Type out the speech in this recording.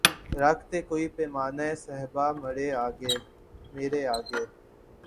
رکھ دے کوئی پیمانۂ صہبا مرے آگے